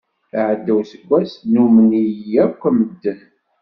Iɛedda useggas nummen-iyi akk medden.